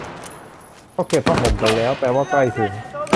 เขาเก็บผ้าห่มไปแล้ว แปลว่าใกล้ถึง ?